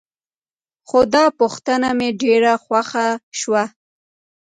خو دا پوښتنه مې ډېره خوښه شوه.